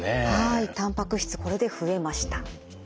たんぱく質これで増えました。